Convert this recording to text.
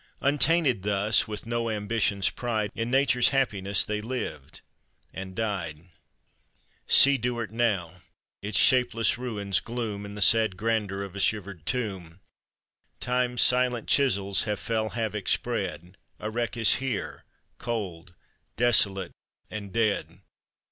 Untainted thus, with no ambition's pride, In Nature's happiness they lived and died. See Duard now! its shapeless ruins gloom In the sad grandeur of a shivered tomb. Time's silent chisels have fell havoc spread, A wreck is here, cold, desolate, and dead.